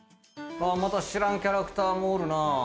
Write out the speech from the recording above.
また知らんキャラクターもおるなぁ。